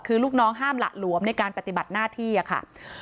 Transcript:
คือลูกน้องห้ามหละหลวมในการปฏิบัติหน้าที่ค่ะ